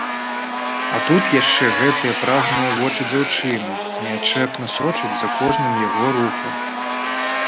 А тут яшчэ гэтыя прагныя вочы дзяўчыны неадчэпна сочаць за кожным яго рухам.